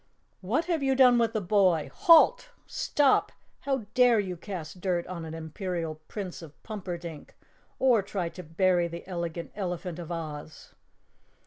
"What have you done with the boy? Halt! Stop! How dare you cast dirt on an Imperial Prince of Pumperdink or try to bury the Elegant Elephant of Oz?"